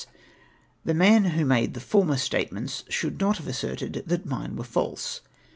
Tlie man who made the fln mer statements should not have as serted that mine were faUe.